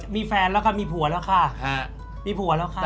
มีแฟนแล้วค่ะด้วยผัวแล้วค่ะ